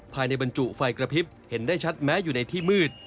บรรจุไฟกระพริบเห็นได้ชัดแม้อยู่ในที่มืด